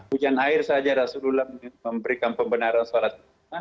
hujan air saja rasulullah memberikan pembenaran sholat